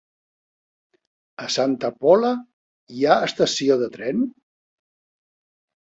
A Santa Pola hi ha estació de tren?